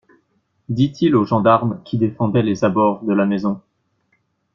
Dit-il au gendarme qui défendait les abords de la maison.